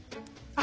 あ！